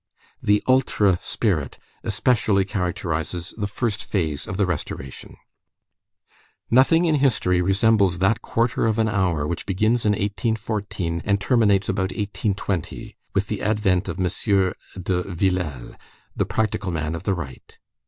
The ultra spirit especially characterizes the first phase of the Restoration. Nothing in history resembles that quarter of an hour which begins in 1814 and terminates about 1820, with the advent of M. de Villèle, the practical man of the Right.